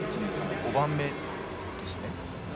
５番目ですかね。